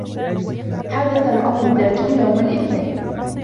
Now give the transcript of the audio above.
حدث الأمر ذاته يوم الإثنين.